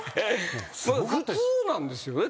普通なんですよね？